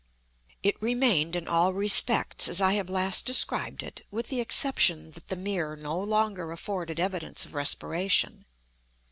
It remained in all respects as I have last described it, with the exception that the mirror no longer afforded evidence of respiration.